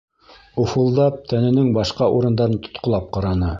Уфылдап тәненең башҡа урындарын тотҡолап ҡараны.